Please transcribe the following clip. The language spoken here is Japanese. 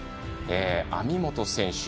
網本選手。